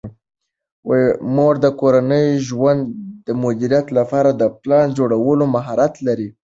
مور د کورني ژوند د مدیریت لپاره د پلان جوړولو مهارت لري.